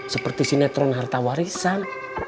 seperti sinetron harta warisan